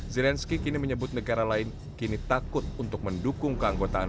kota kota yang menembus perjalanan menjelaskan ke kota